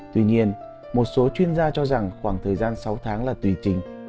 tuy nhiên một số chuyên gia cho rằng khoảng thời gian sáu tháng là tùy trình